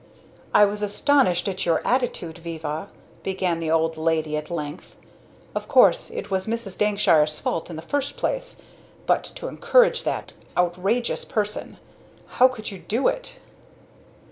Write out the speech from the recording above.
"I was astonished at your attitude, Viva," began the old lady, at length. "Of course it was Mrs. Dankshire's fault in the first place, but to encourage that, outrageous person! How could you do it!"